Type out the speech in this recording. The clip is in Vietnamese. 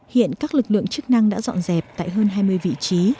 hiện các lực lượng chức năng đã dọn dẹp tại hơn hai mươi vị trí